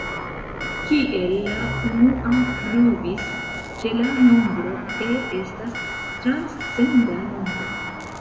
Kiel la unua pruvis, ke la nombro "e" estas transcenda nombro.